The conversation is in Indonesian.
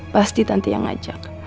pasti tanti yang ngajak